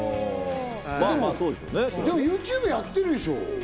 でも、ＹｏｕＴｕｂｅやってるでしょ？